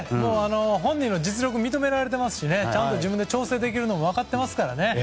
本人は実力が認められていますしちゃんと自分で調整できるのも分かっていますからね。